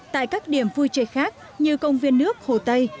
tại các điểm vui chơi khác như công viên nước hồ tây